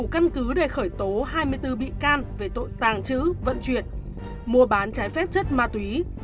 bảy can về tội tàng trữ vận chuyển mua bán trái phép chất ma túy